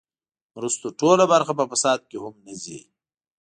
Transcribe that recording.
مرستو ټوله برخه په فساد کې هم نه ځي.